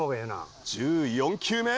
１４球目。